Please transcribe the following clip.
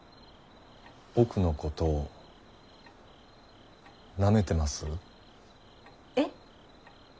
僕のことを舐めてます？え！？